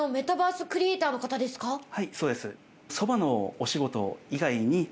はいそうです。